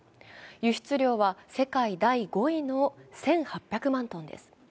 輸出量は世界第５位の１８００万トンです。